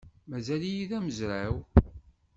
Mazal-iyi d amezraw.